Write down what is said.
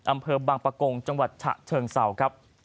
อำเภอบางประกงจังหวัดฉะเชิงเศร้าครับ